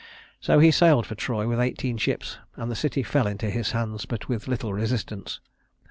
So he sailed for Troy with eighteen ships, and the city fell into his hands with but little resistance.